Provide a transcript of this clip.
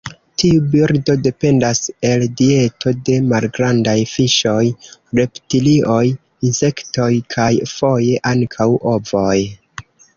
Tiu birdo dependas el dieto de malgrandaj fiŝoj, reptilioj, insektoj kaj foje ankaŭ ovoj.